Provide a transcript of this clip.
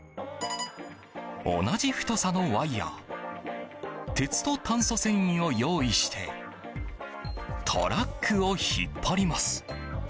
同じ太さのワイヤ鉄と炭素繊維を用意してトラックを引っ張ります。